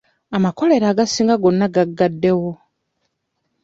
Amakolero agasinga gonna gaggaddewo.